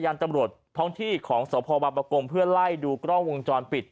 การตำรวจพร้อมที่ของสพบปกมเพื่อไล่ดูกล้องวงจอนปิด